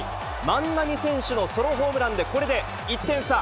万波選手のソロホームランで、これで１点差。